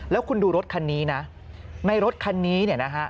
แล้วคุณดูรถคันนี้นะในรถคันนี้เนี่ยนะฮะ